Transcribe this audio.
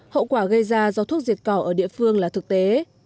hậu quả gây ra do thuốc diệt cỏ ở địa phương là thực tế